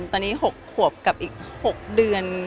ตอนนี้๖ขวบกับอีก๖เดือน